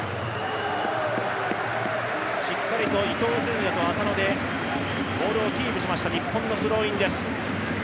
しっかりと伊東純也と浅野でボールをキープしました日本のスローインです。